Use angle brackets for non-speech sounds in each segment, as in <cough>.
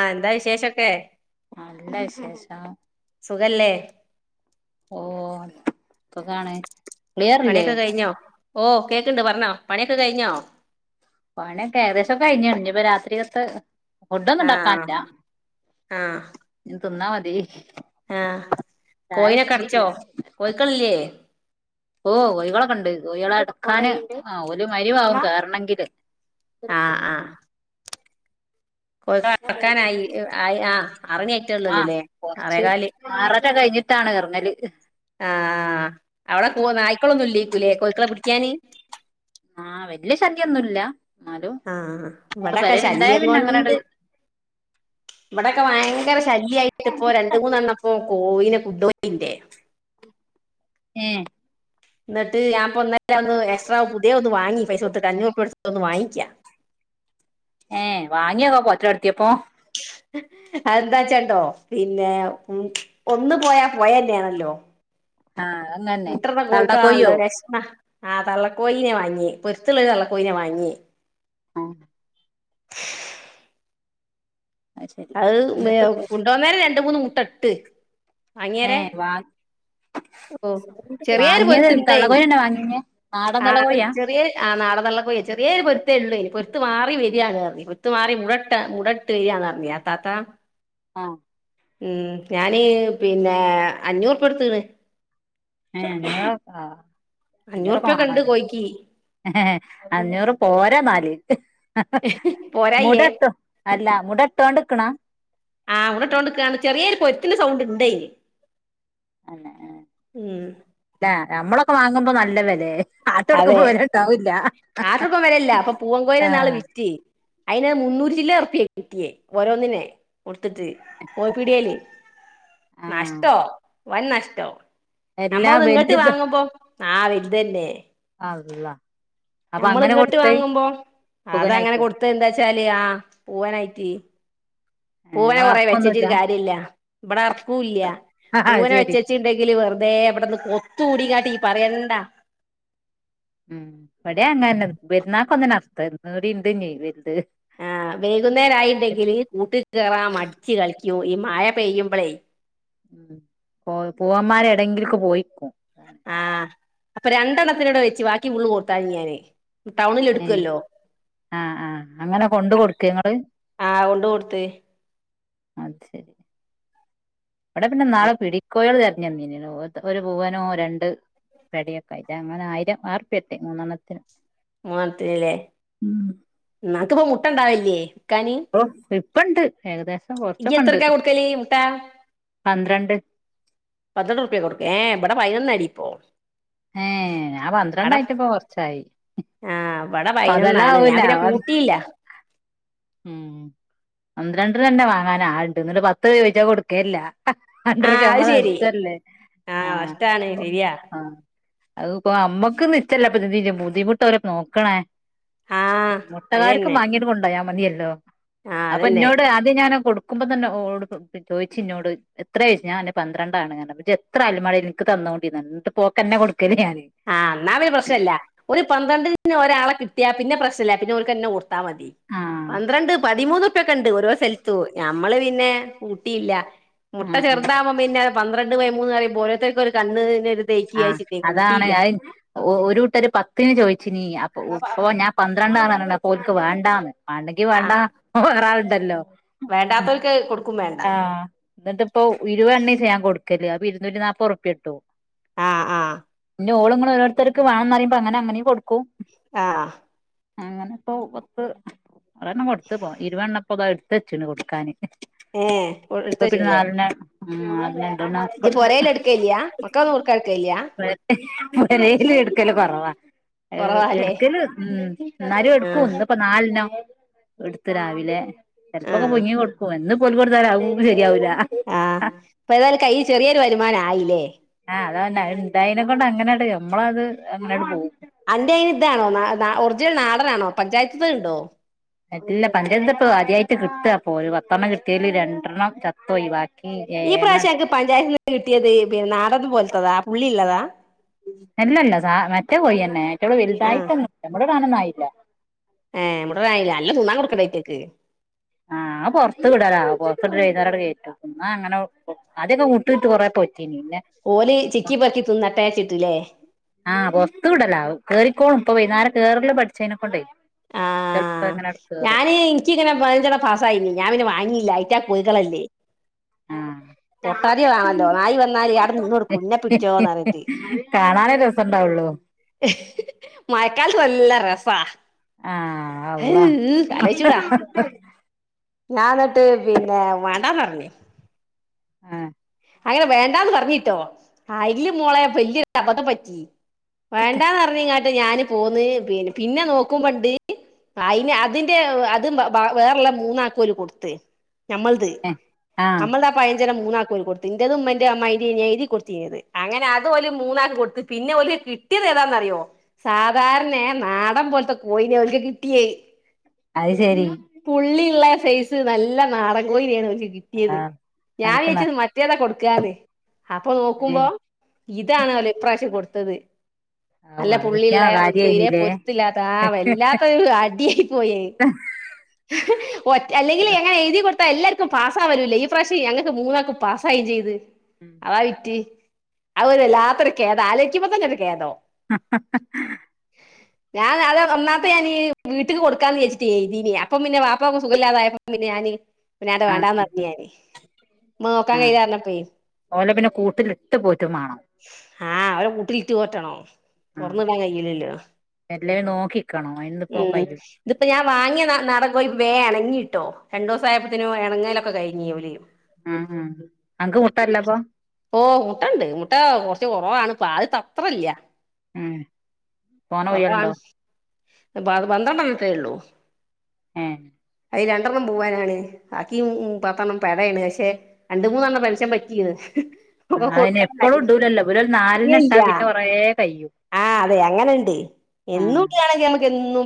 ആ എന്താ വിശേഷം തേ നല്ല വിശേഷ സുഖല്ലേ ഓ സുഖാണേ പണിയൊക്കെ കഴിഞ്ഞോ ഓ കേക്കുണ്ട് പറഞ്ഞോ പണിയൊക്കെ കഴിഞ്ഞോ പണി ഒക്കെ ഏകദേശൊക്കെ കഴിഞ്ഞു ഇനിയിപ്പ രാത്രികത്തെ ഫുഡൊന്നും ആ ഉണ്ടാക്കാനില്ല ആ ഇനി തിന്നാ മതി ആഹ ചായ കോയീനെക്കടച്ചോ കുടിച്ചില്ല കോയിക്കളില്ലേ ഓ കോയികളെക്കെണ്ട് കോയികളെ അടക്കാന് ആ ഒരു മകിരിഭാകും കേറണെങ്കില് <unintelligible> കോയികളെ ക്കാനായി ആയി ആ ആ ആറണിയായ്റ്റേള്ളല്ലല്ലോല്ലേ ആറേകാല് ട്ടാണ് എർങ്ങല് ആഹ് അവടെ കോ നായ്ക്കളൊന്നുല്ല്യാരിക്കുല്ലെ കോയിക്കളെ പിടിക്കാന് ആഹ് വല്യ ശല്യൊന്നുംല്ല ആ ഇവിടെക്കെ ശല്യം പിന്നെ അങ്ങനട് കൊണ്ട് ഇവിടെക്കെ ഭയങ്കര ശല്യയിട്ട് ഇപ്പോ രണ്ട മൂന്നെണ്ണം പ്പോ കോയിനെ കുണ്ടോയില്ലെ ഉം ന്നിട്ട് ഞാൻപ്പം ഒന്ന് എക്സ്ട്രാ പുതിയ ഒന്ന് വാങ്ങി പൈസൊട്ത്ത്ട്ട് അഞ്ഞൂറുപ്യട്ത്ത് ഒന്ന് വാങ്ങിക്ക്യ ഏ വാങ്ങിയോക്കെ പോറ്റലൊടത്തിപ്പം എന്താച്ചാണ്ടോ പിന്നെ ഉം ഒന്ന്പോയാ പോയന്നെയാണല്ലോ ആഹ അങ്ങന്നെ മുട്ടടണ കോഴിക്കളാണല്ലോ തള്ളകോയ്യോ വെശ്മ ആ തള്ളക്കോഴിയാ വാങ്ങ്യെ പൊരുത്തുള്ള തള്ളക്കോഴനെ വാങ്ങ്യെ ആഹ് അത് ലെ എന്നിട്ട് കൊണ്ടോന്നേരെ രണ്ട് മൂന്നു മുട്ടട്ട് വാങ്ങിയേര ഏ വാ ഓ ചെറിയൊരു വാങ്ങിയത് പൊരുത്ത്ണ്ടയ്ന് തള്ളകോഴിന്നെ വാങ്ങിഞ്ഞേ നാടൻ ആ തള്ളകോഴിയാ ചെറിയ ആ നാടെന്തള്ളക്കോയ്യ ചെറിയൊരു പൊരുത്തേ ഉള്ളൂ ഇനി പൊര്ത്തു മാറി വരിയാണ്റഞ് പൊര്ത്തു മാറി മുടട്ട് മുടട്ട് വെരാന്ന്പറഞ്ഞ് താത്ത ആ ഉം ഞാന് പിന്നെ അഞ്ഞൂറ്പ്യകൊടുത്ത്ണ് ഏ <unintelligible> അഞ്ഞൂറുപ്യൊക്കെ ഉണ്ട് അഞ്ഞൂറൊക്കെവാണല്ലേ കോഴിക്ക് ഏ അഞ്ഞൂറ് പോരാന്നാല് മുട പോരായിയേ ഇട്ടു അല്ല മുട ഇട്ടോണ്ട്ക്ക്ണാ എയ് തന്നെ ആ നമ്മളേ <unintelligible> വാങ്ങുമ്പോ നല്ല വിലേ അതെ <unintelligible> വെലേല്ല അപ്പൊ പൂവൻ ആ കോയീനന്നാള് വിറ്റ് അയിന് മുന്നൂറ്റിചില്ലാഉറുപ്പിയെ കിട്ടിയേ ഓരോന്നിനെ കൊടുത്തിട്ട് ഓ പിടിയേല് ആ നഷ്ടോ വൻ നഷ്ടാ എല്ലാ നമ്മ അത് ഇങ്ങട്ട് വലുത് വാങ്ങുമ്പോ ആ വെല്തന്നെ അള്ളാ നമ്മളിങ്ങട്ട് വാങ്ങുമ്പോ അതങ്ങനെ സുഖനായിട്ടോ കൊടുത്ത എന്താച്ചാല് ആ പൂവാനായിട്ട് പൂവനെ നിങ്ങള കൊറെേ അർക്കൊന്നുമല്ല വെച്ചച്ചിട് കാര്യല്ല ഇവിടെർക്കൂല്ല ആ പൂവന ശരി വെച്ചച്ചിണ്ടെങ്കില് വെറുതെ എവിടന്ന് കൊത്ത കൂടിങ്ങാട്ടി പറയണ്ടാ ഉം പടയാ അങ്ങന്നെ വരുന്ന ഒന്നർഥംടി ഇണ്ട്്യ വലത് ആഹ് വൈകുന്നേരായിണ്ടെങ്കില് കൂട്ട കയറാ മടിച്ചച്ച് കളിക്കൂ ഈ മഴ പെയ്യുമ്പളേ ഉ പോ പോൂവന്മാര് എടങ്കിലക്ക് പോയിക്കും ആഹ അപ്പൊ രണ്ടെണത്തിനോടെ വെച്ച്ു ബാക്കി ഉള്ള് കൊർത്ത ഞാന് ടൗണിൽ ഏഹ് എടുക്കുവല്ലോ ആഹ് ആഹ് അങ്ങനെ കൊണ്ട് കൊടുക്കേ ഇങ്ങള് ആഹ് കൊണ്ട് കൊടുത്ത് അച്ചെ ഇവിടെ പിന്നെ നാെടിക്കോൽ പി മീന ഒരു പൂവനോ രണ്ട് പെടിയൊക്കെ ആയിട്ട് അങ്ങനെ ആയിരം ആർപ്പ എട്ടെ മൂന്നെണ്ണത്തിനന് മനത്തില്ലേ നക്കിപ്പ മുട്ട ഉണ്ടാവല്ലേ <unintelligible> പ്പണ്ട് ഏകദേശം ഇ കൊറച്ചൊക്കെ എത്ര ഉണ്ട് ക്ക കൊടുക്കലി ട്ട പന്ത്രണ്ട് പതിനെട്ട് രൂപ കൊടുക്കേ അവിടെ പൈനൊന്ന അടിപ്പോ ഏ ഞ പന്ത്രണ്ടായിട്ടപ്പ കൊറച്ചായി ആ ഇവിടെ അതെല്ലാം പതിനൊന്നാണ് ഞാൻ ആവൂല പിന്നെ കൂട്ടിയില്ല ഉം ഒന് രണ്ട തന്നെ വാങ്ങാന ആണ്ട് എന്നിട്ട പത്ത് രപച്ചാ കൊടുക്കേല്ല ആ അണ്ടൂപ അത് അമ്മ ശരി അസ്ല്ലേ ആ ആഹ നഷ്ടാണ് <unintelligible> ശരിയാ ആഹ അത് അമ്മക്ക് നിിച്ചല്ല അപ്പ എ ബുദ്ധിമുട്ട് അവരെ നോക്കണേ ആ അത് മുട്ടകാർക്ക്ും തന്നെ വാങ്ങീയിട്ട് കൊണ്ടോ ഞൻ മതില്ല ഹലോ ആ അപ്പൊ അതന്നെ എന്നോട് ആദ്യം ഞാന കൊടുക്ക നക്ക്പ തന്നെഓ ചോദി ഇോട് എത്രയാഴ്ു ഞാൻ എന്നെ പന്ത്രണ്ടാണ്ങ്ങെെ എത്ര അല്ല മഴ നിനിക്ക് തന്നുകോണ്ടിന്നട്ട് പോക്ക്ന്നെ കൊടുക്ക ആഹ എന്നാ അവര് പ്രശ്നല്ല ഒരു പന്ത്രണ്ടി പിന്ന ഒരാളെ കിട്ടിയ പിന്ന പ്രശ്ന ഇല്ല പിന്നെക്ക്െഒരുക്കുത്തന്നെ കൊടു മതി ആഹ് പന്ത്രണ്ട് പതിമൂന്ന് പ്പൊക്കെണ്ട് ഓരോ സ്ഥലത്തു മ്മള് പിന്നെ ഊട്ടിയില്ല മുട്ട ഉം ഉം ചെറുതാ്പ പിന്നെ പന്ത്രണ്ട് വൈ മൂന്ന് പറുമ്പോരോത്തക്കും ഒരു കണ് ത് തേക്കി അയച്ചിട്ടേക്കുന്നു ഏ അയിന് ഒ ഒരൂട്ടര് പത്തിന് ചോയിച്ചിനീ അപ്പൊ അപ്പ ഞാൻ പ ന്ത്രണ്ടാന്നർഞ്ഞ്ണ് അപ്പം ഓല്ക്ക് വാണ്ടാന്ന് വാണ്ടെങ്കി ആ വാണ്ട വേറാള്ണ്ടല്ലോ വേണ്ടാത്തോൽക്ക് കൊടുക്കും വേണ്ട ആ ന്ന്ട്ട് ഇപ്പൊ ഇരുവെണ്ണിച്ചെ ഞാൻ കൊട് ക്കല്ലെ അപ്പൊ ഇരുന്നൂറ്റി നാപ്പുർപ്യട്ടും ആ ആ ഞ്ഞ് ഓള് ഇങ്ങളൊ ഓരോരുത്തർക്ക് വാണന്നർയിമ്പോ അങ്ങനങ്ങനേ കൊടുക്കും ആ അങ്ങനെപ്പൊ പത്ത് അറുവെണ്ണം കൊടുത്ത്പ്പൊ ഇരുവെണ്ണം ഇപ്പതാ ഇട്ത്തച്ചിണ് കൊടുക്കാന് ഏഹ് ഒ ഇപ്പൊ പിന്നെ എടുത്തൂച്ചില്ലേ നാലെണ്ണം ഉം അതെ ഇജ്ജ് പൊരേലെടുക്കേല്യ <unintelligible> <unintelligible> <unintelligible> റേറ്റില് എടുക്കല് കൊറവാ ഏഹ് കുറവാല്ലേ എടുക്കല് ഉം എന്നാലും ആ എടുക്കും ഇന്നിപ്പം നാലെണ്ണം എടുത്ത് രാവിലെ <unintelligible> ആ പുങ്ങി കൊടുക്കും എന്നും <unintelligible> ആ ഇപ്പേതായാലും കൈയ്യിൽ ചെറിയൊരു വരുമാനമായി <unintelligible> <unintelligible> നമ്മളത് അങ്ങനെ അങ്ങട് പോകും അന്റെ ഇതാണോ നാ നാ ഒറിജിനൽ നാടനാണോ പഞ്ചായത്തിന്നു ഇണ്ടോ ഇല്ല പഞ്ചായത്തിന്നു ഇപ്പ ആദ്യായായിട്ട് കിട്ടുക അപ്പൊ ഒരു പത്തെണ്ണം കിട്ടിയല് രണ്ടെണ്ണം ചത്തോയി ബാ ഈ പ്രാവശ്യം എനിക്ക് പഞ്ചായത്തിന്ന് കിട്ടിയത് പിന്നെ നാടന് പോലത്തതാ പുള്ളി ഉള്ളതാ അല്ലല്ല സ മറ്റേ കോയി തന്നെ. <unintelligible> വലുതായിട്ടൊന്നു നമ്മള് <unintelligible> ഏഹ് ഇവിടെ വാങ്ങിയില്ല നല്ലോം തിന്നാൻ കൊടുക്കേണ്ടേ അയ്റ്റക്ക്. ആ അത് പൊറത്ത് വിടലാ പൊറത്ത്ട്ട് വൈകുന്നേരം ങ്ങട്ട് കേറ്റും തിന്നാൻ അങ്ങനെ കൊടുക്കും. ആദ്യൊക്കെ കൂട്ടിലിട്ട് കൊറേ പോറ്റി ഓല് ചിക്കി പൊറുക്കി തിന്നട്ടേച്ച്ട്ട് ലെ ആ പൊറത്ത് വിടലാ കേറിക്കോളും ഇപ്പ വൈന്നേരം കേറല് പഠിച്ചേനെ കൊണ്ട് ആ ഞാന് ഇനിക്കിങ്ങനെ പതിനെഞ്ചണ്ണം പാസ്സായിനി ഞാൻ പിന്നെ വാങ്ങിയില്ല റ്റ കോഴികളല്ലേ ആഹ് പൊട്ടാരി വേണല്ലോ നായി വന്നാല് ഇയാടെ നിന്നോട്കു ന്നെപിടിച്ചോന്നഞ്ഞട്ട് കാണാനേ രസണ്ടാവുള്ളൂ മയക്കാൽ നല്ല രസാ. ആഹ ഹ് അഉള ആലോചിച്ചൂടാ ഞാൻ എന്നിട്ട്- പിന്നെ വേണ്ടാന്ന് പറഞ്ഞി. ആഹ് അങ്ങനെ വേണ്ടാന്ന് പറഞ്ഞിട്ടോ അയ്ല് മോളെ വല്യൊരപദ്ധം പറ്റി. വേണ്ടാന്ന്റഞ്ഞീങ്ങാ- ഞാന് പോന്ന് പി പിന്നെ നോക്കുമ്പണ്ട് അയിന് അതിന്റ അതും വേറെല്ല മൂന്നാക്ക പോല് കൊടുത്ത്. ഞമ്മൾത് ആഹ് അമ്മൾദാ പയഞ്ചരം മൂന്നാ- കൊ തിന്റെതുമ്മേന്റെം അമ്മമായിന്റെം ഞാ എയ്തി കൊടുത്തിനി. അത് അങ്ങനെ അത് ഓല് മൂന്നാക്ക് കൊടുത്ത് പിന്നെ ഓല് കിട്ടിയത് ഏതാന്നറിയോ സാധാരണെ നാടൻ പോലത്തെ കോയിനയാ ഒല്ക്ക് കിട്ടിയേ ആയി പുള്ളിയുള്ള- സൈസ് നല്ല നാടകോയി <unintelligible> കിട്ടിയത് ആഹ് ഞാൻ അനക്ക് വിയച്ചത് നഷ് മറ്റേതാ കൊടു ക്കാന് അപ്പൊ നോക്കുമ്പോ ഏഹ് ഇതാണാല്ലോ ഇപ്രാവശ്യം കൊടുത്ത- ത്തത് ആവൂ നല്ല അത് കിട്ടിയാ പുള്ളിയുള്ളെ തീരെ കാര്യായിനില്ലേ പൊരുത്തില്ലാത്ത ആ വല്ലാത്തൊരു അടിയായി പോയേ. ഒറ്റ അല്ലെങ്കിൽ ങ്ങനെ ഏ കൊടുത്ത എല്ലർക്കും പാസ്സാവലല്ല ഈ പ്രാവശ ഞങ്ങൾക്ക് മൂന്നാക്കും പാസാവേം ചെയ്ത്. അതാ വിറ്റ്. അതൊരു വെല്ലാത്തൊരു കേ ആലേക്കുമ്പോ തന്നെ കേതോ- ഹഹഹ ഞാൻ അത് ഒന്നാത്തെ ഞാനീ വീട്ട്ക്ക് കൊടുക്കാന്ന് വെച്ചിട്ടേയ്തീല്യ പ്പമ്മിന്നെ വാപ്പാക്ക് സുഖില്ലാതായപ്പ പിന്നെഞാനി പിന്നാട്ട് ആഹ് വേണ്ടാന്ന് പറഞ്ഞ് ഞാന് നോക്കാൻ ആഹ് കഴിയാറിഞ്ഞപ്പയി ഓലെ പിന്നെ കൂട്ടിലിട്ട് പോറ്റും മാണം ഹാ അവരെ കൂട്ടിലിട്ടുപോറ്റണോ ആഹ് തുറന്ന വിടാൻ കഴയില്ലല്ലോ എല്ലേം നോക്കിക്കണം അയിനിപ്പോ ഉം കയ്യും ഇതിപ്പോ ഞാൻ വാങ്ങിയ നാ വേ ഇണങ്ങിട്ടോ രണ്ടു ദിവസ ആയപ്പത്തേനും ഇണങ്ങേലൊക്കെ കഴിഞ്ഞി ഓല് ഹാഹാ അന്ക്ക് മുട്ടല്ലപ്പൊ മുട്ട ഉണ്ട് മുട്ട കുറച്ച് കുറവാണ് പാദ്യത്തത്ര ഇല്ല ഉം <unintelligible> അപ്പ അത് പന്തത്രണ്ടന്നത്രേ ഉള്ളൂ ഉം അത് രണ്ടെണ്ണം പോവാനാണ് ബാക്കി പത്തെെണ്ണം പടയാണ് പക്ഷെ രണ്ട മൂന്നെണ്ണം പെൻഷൻ പറ്റിയത് ആഹ് അയിന് എപ്പളും കൊടുക്കല്ല ഇടൂലല്ലോ ഇവലൊരു നാലെണ്ണം ഇട്ടാ പിന്നെ കൊറേ കയ്യും ആ അതെ എങ്ങനെണ്ട് എന്നുംട്ടിയണെങ്കിൽ നമ്മക്ക് എന്നും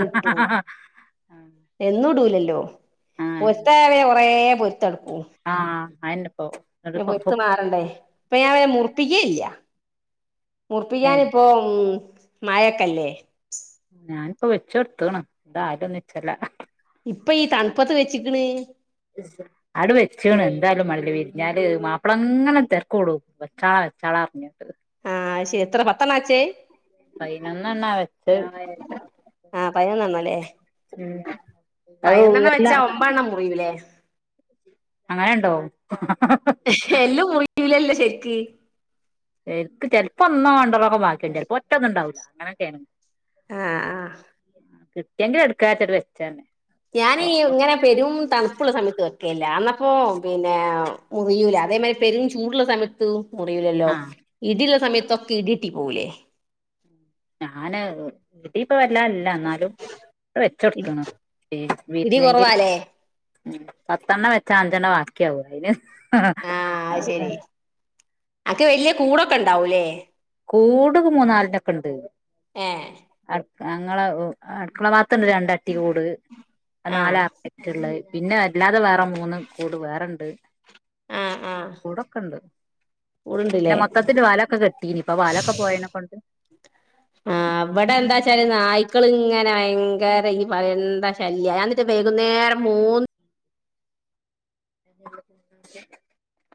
ഹ ഹ ഹ ഹാ എന്നുംടൂലല്ലോ പൊരുത്ത കുറെ പൊരുത്തെ കെടക്കും ആയിന്റെ പൊരുത്ത് മാറണ്ടേ ഇപ്പൊ ഞാൻ മുറപ്പിക്കേ ഇല്ല മുറപ്പിക്കാൻ ഏഹ് ഇപ്പൊ ഉം മായക്കല്ലേ ഞാൻ ഇപ്പൊ വെച്ച കൊടുത്തണ് എന്തായത് നിച്ചല്ല ഇപ്പൊ ഈ തണുപത്ത് വെച്ചിക്കണ് അടു വെച്ചണ് എന്തായാലും മാണ്ടില്ല വിരിഞ്ഞാല് മാപ്പിള അങ്ങനെ തിരക്കോടൂ വെച്ചാള വെച്ചാളാ പ റിഞ്ഞോട്ട് ആ ശ എത്ര പത്തനാച്ചേ പൈനൊന്നെണ്ണ വെച്ച് ആഹ് പതിനൊന്നെണ്ണല്ലേ പതിനൊന്നെണ്ണം മളെ വെച്ചാ ഒമ്പതെണ്ണം മുറിയൂലേ അങ്ങനെ ഉണ്ടോ എല്ലും മുറിയില്ലല്ലോ ശക്ക് എനിക്ക് ചിലപ്പോ ഒന്നോ രണ്ടർന്നൊക്കെ മാറ്റേണ്ടി വരും ചിലപ്പോ ഒ ഇട്ടന്നണ്ടാവൂല്ല അങ്ങനൊക്കെയ ആഹ് ആഹ് കിട്ടിയെങ്കില എടുക്കാ വെച്ച് വെച്ചന്നെ ഞാനീ ഇങ്ങനെ പെരും തണുപ്പുള്ള സമയത്ത് വെക്കല്ല അന്നപ്പോ പിന്നെ മുറിയൂല അതേമാതിരി പെരും ചൂടുള്ള സമയത്ത് മുറിവല്ലല്ലോ ആഹ് ഇടിള്ള സമയത്ത് ഇതൊക്കെ ഇടിട്ടി പോവുലേ ഞാന് ഇടീപ്പവല്ലാല്ല ന്നാലും വെച്ചടുത്ത് ന് ഇടി വിരിഞ്ഞെങ്കിൽ കുറവാലേ ഉ പത്തെണ്ണ വെച്ചാ അഞ്ചെണ്ണ ബാക്കിയാവൂ അതിന് ആഹ് അതെ അക്കെ വലിയ കൂടൊക്കെ ഉണ്ടാവൂല്ലേ കൂട് ഒരു മൂന്നാലിനൊക്കെ ഉണ്ട് ങേ ഞങ്ങളെ അടുക്കള ഭാ ത്തണ്ട് രണ്ടട്ടി കൂട് ആഹ് നാലട്ടി ഉള്ള പിന്നെ അല്ലാ തെ വേറെ മൂന്ന് കൂട് വേറെണ്ട് ആഹ് ആഹ് ണ്ട് കൂടൊക്കെണ്ട് പിന്നെ കൂടുണ്ട്ല്ലേ മൊത്തത്തില് വാലൊക്കെ കെട്ട തീനിപ്പ വാലൊക്കെ പോയതിനെ കൊണ്ട് മക്കളിങ്ങനെ ഭയങ്കര ഇയ്യ് പറയണ്ട ശല്യ ഞാൻ ഇങ്ങട്ട് വൈകുന്നേരം മൂന്ന് <inaudible>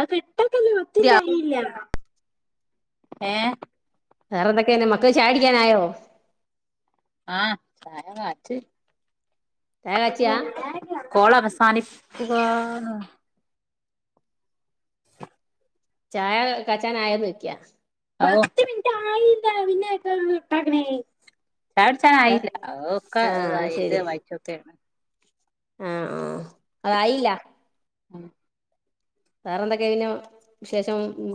അതെ നിങ്ങൾക് നല്ല യുക്തി ഉണ്ടായില്ല ഏഹ് വേറെന്തൊക്കെണ് മക്കൾ ചായ കുടിക്കാനായോ? ആഹ് ചായ കാച്ച് ചായ കാച്ചിയാ കോൾ അവസാനി- ആഹ് ചായ കച്ചാന ആയന്ന് വെക്കാ പത്ത് മിനിറ്റ് ആയില്ല പിന്നെക്കണ കട്ടാക്കിനെ ചായ കുച്ചാൽ ആയില്ല ഒക്കെ ആഹ് അത് ഇത് ശരി വായിച്ചോക്കെയാണ് ആഹ് ആഹ് അതായില്ല ആ വേറെ എന്തൊക്കെ ആയിരുന്നു വിശേഷം ഉ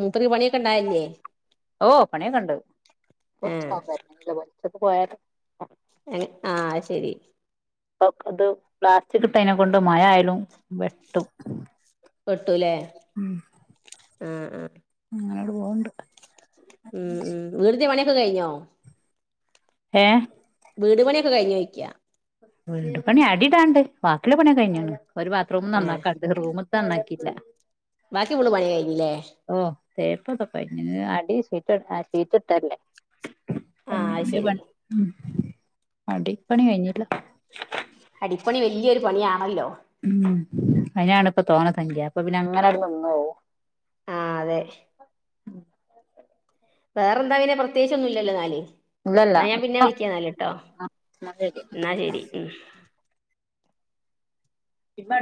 മൂപ്പർക്ക് പണിയൊക്കെ ഉണ്ടായില്ലേ ഓ പണി ഒക്കെ ഉണ്ട് ആഹ് പോയ- ആ ശരി അപ്പ അത് പ്ലാസ്റ്റിക് ഇട്ടതിനെ കൊണ്ട് മഴ ആയാലും വെട്ടും വെട്ടും ഇല്ലേ <inaudible> ആ ആ അങ്ങനോട് പോകണ്ട് ഉം ഉ വിറത മണ <inaudible> കഴിഞ്ഞോ ഏ വീട് പണിയൊക്കെ കഴിഞ്ഞോ ചൊയ്ക വീട് പണി അടിടാണ്ട് ബാക്കിയുള്ള പണിയ കഴിഞ്ഞാണ് ഒരു ബാത്റൂം ഏഹ് നന്നാക്കാണ്ട് റൂം നന്നാക്കീല്ല- ബാക്കി ഫുള് പണി കഴിഞ്ഞില്ലേ? തേപ്പ് ഒക്കെ കഴിഞ്ഞ് അടി ഷീറ്റ് ഷീറ്റ്ഇട്ട അല്ലേ? ആഹ് അത് ശരി <unintelligible> ഉം- അടി പണി കഴിഞ്ഞില്ല അടിപ്പണി വലിയൊരു പണിയാണല്ലോ <unintelligible> അതിനാണ ഇപ്പ തോന സംഖ്യ അപ്പൊ പിന്നെ അങ്ങനങ്ങ് നിന്ന് പോവും- ആഹ് അതെ- <inaudible> വേറെ എന്താപിന്നെ പ്രത്യകിച്ചൊന്നുമില്ലാല്ലോ നാല്- ഇല്ലല്ല എന്നാ ഞാൻ പിന്നെ ഇപ്പൊ വിളിക്കന്നല്ലുട്ടോ ആ എന്നാ ശരി എന്നാ ശരി ഉം- <unintelligible>